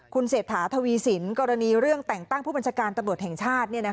คุณเศรษฐาทวีสินกรณีเรื่องแต่งตั้งผู้บัญชาการตำรวจแห่งชาติ